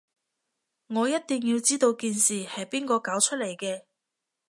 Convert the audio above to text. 我一定要知道件事係邊個搞出嚟嘅